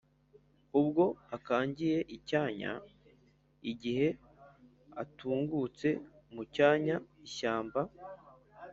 ubwo akangiye icyanya: igihe atungutse mu cyanya (ishyamba)